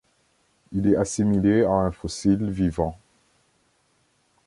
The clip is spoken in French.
Il est assimilé à un fossile vivant.